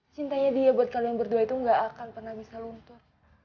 cintanya dia buat kalian berdua itu gak akan pernah bisa luntur